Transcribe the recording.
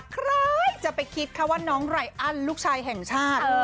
ใครจะไปคิดคะว่าน้องไรอันลูกชายแห่งชาติ